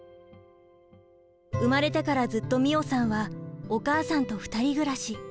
生まれてからずっと美桜さんはお母さんと２人暮らし。